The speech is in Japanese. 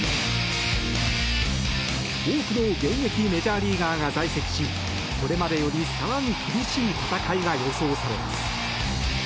多くの現役メジャーリーガーが在籍しこれまでより更に厳しい戦いが予想されます。